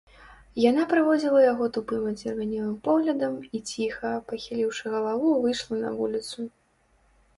Яна праводзіла яго тупым адзервянелым поглядам і ціха, пахіліўшы галаву, выйшла на вуліцу.